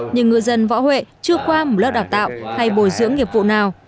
nhưng ngư dân võ huệ chưa qua một lớp đào tạo hay bồi dưỡng nghiệp vụ nào